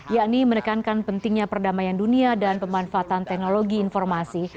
yakni menekankan pentingnya perdamaian dunia dan pemanfaatan teknologi informasi